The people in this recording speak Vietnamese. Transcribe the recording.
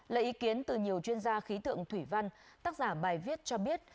lấy ý kiến từ nhiều chuyên gia khí tượng thủy văn tác giả bài viết cho biết